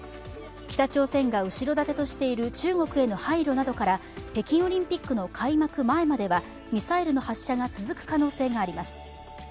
北朝鮮が後ろ盾としている中国への配慮などから北京オリンピックの開幕前まではミサイルの発射が続く可能性があります。